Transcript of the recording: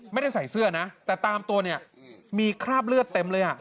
ไม่ได้ใส่เสื้อนะแต่ตามตัวเนี่ยมีคราบเลือดเต็มเลย